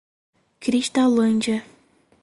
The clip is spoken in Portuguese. Cristalândia